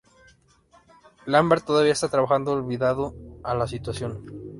Lambert todavía está trabajando, olvidado a la situación.